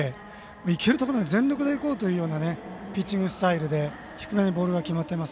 いけるところまで全力でいこうというピッチングスタイルで低めにボールが決まっています。